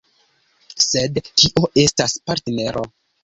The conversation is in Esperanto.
Sed kio estas partnero?